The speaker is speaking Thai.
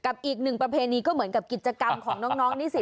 อีกหนึ่งประเพณีก็เหมือนกับกิจกรรมของน้องนิสิต